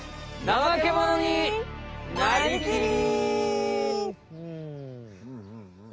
ナマケモノになりきり！